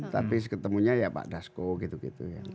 tapi ketemunya ya pak dasko gitu gitu ya